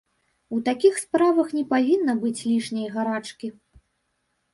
У такіх справах не павінна быць лішняй гарачкі.